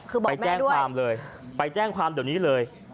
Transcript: คือบอกแม่ด้วยไปแจ้งความเลยไปแจ้งความเดี๋ยวนี้เลย